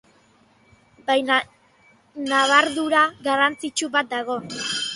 Baina ñabardura garrantzitsu bat dago.